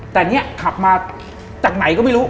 แต่เนี่ยขับมาจากไหนก็ไม่รู้